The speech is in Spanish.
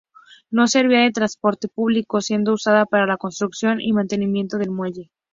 No servía de transporte público, siendo usada para la construcción y mantenimiento del muelle.